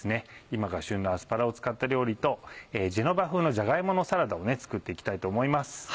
今が旬のアスパラを使った料理とジェノバ風のじゃが芋のサラダを作って行きたいと思います。